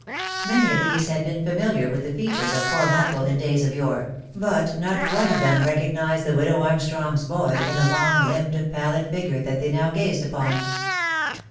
Many of these had been familiar with the features of poor Michael in OF MICHAEL ARMSTRONG. 303 days of yore, but not one of them recognised the widow Armstrong's boy, in the long limbed, pallid figure, that they now gazed upon.